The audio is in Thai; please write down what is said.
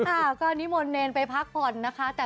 อ่าก็นี่หมดเนรไปพักก่อนนะคะ